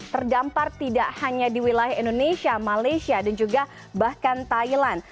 tiga lima ratus terdampar tidak hanya di wilayah indonesia malaysia dan juga bahkan thailand